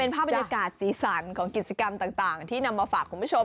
ภาพบรรยากาศสีสันของกิจกรรมต่างที่นำมาฝากคุณผู้ชม